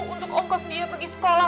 untuk ongkos dia pergi sekolah